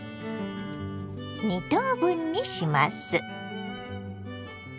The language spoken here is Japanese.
２等分にします。